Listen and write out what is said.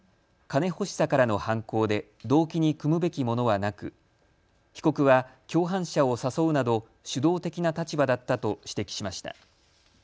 金欲しさからの犯行で動機に酌むべきものはなく被告は共犯者を誘うなど主導的な立場だったと指摘しました。